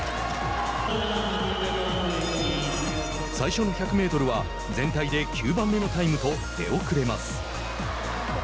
最初の１００メートルは全体で９番目のタイムと出遅れます。